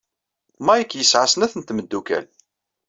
Mike yesɛa snat n tmeddukal.